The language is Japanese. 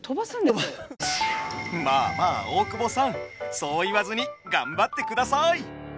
まあまあ大久保さんそう言わずに頑張ってください！